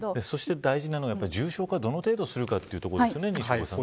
そして大事なのは、重症化をどの程度するかというところですね。